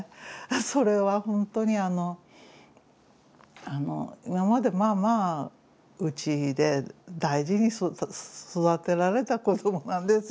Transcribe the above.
それはほんとに今までまあまあうちで大事に育てられた子どもなんですよ。